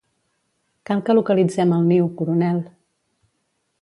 Cal que localitzem el niu, coronel.